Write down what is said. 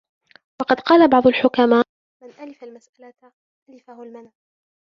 وَقَدْ قَالَ بَعْضُ الْحُكَمَاءِ مَنْ أَلِفَ الْمَسْأَلَةَ أَلِفَهُ الْمَنْعُ